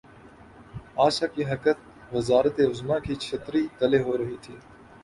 آج تک یہ حرکت وزارت عظمی کی چھتری تلے ہو رہی تھی۔